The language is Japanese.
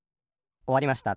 おわりました。